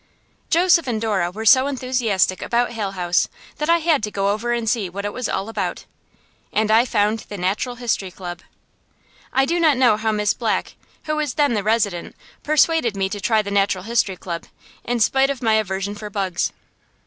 Joseph and Dora were so enthusiastic about Hale House that I had to go over and see what it was all about. And I found the Natural History Club. I do not know how Mrs. Black, who was then the resident, persuaded me to try the Natural History Club, in spite of my aversion for bugs.